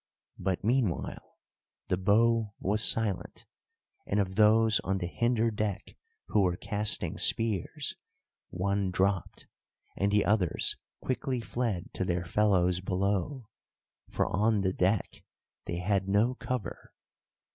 But meanwhile the bow was silent, and of those on the hinder deck who were casting spears, one dropped and the others quickly fled to their fellows below, for on the deck they had no cover.